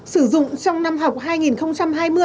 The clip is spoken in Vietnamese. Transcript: sử dụng trong năm học hai nghìn